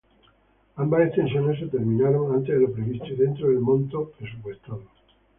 Ambas extensiones se terminaron antes de lo previsto y dentro del monto presupuestado.